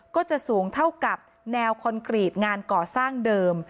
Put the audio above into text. ก็จะสูงเท่ากับแนวคอนกรีตงานก่อสร้างเดิม